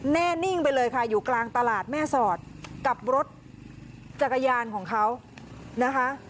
แน่นิ่งไปเลยค่ะอยู่กลางตลาดแม่สอดกับรถจักรยานของเขานะคะ